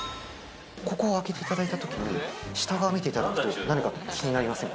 ここ開けていただいたときに下を見ていただくと、何か気になりませんか？